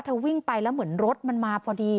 วิ่งไปแล้วเหมือนรถมันมาพอดี